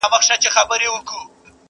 پر ازل مي غم امیر جوړ کړ ته نه وې!.